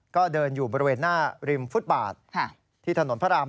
ก็เดินอยู่บริเวณหน้าริมฟุตบาทที่ถนนพระราม